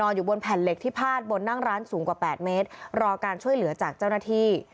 อยู่บนแผ่นเหล็กที่พาดบนนั่งร้านสูงกว่า๘เมตรรอการช่วยเหลือจากเจ้าหน้าที่